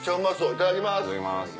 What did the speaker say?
いただきます。